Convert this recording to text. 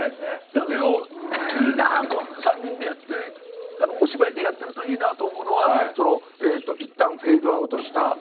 だけどいいなあ３人でやってお芝居でやってるといいなと思うのはいったんフェードアウトした。